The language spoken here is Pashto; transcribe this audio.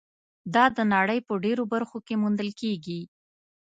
دا د نړۍ په ډېرو برخو کې موندل کېږي.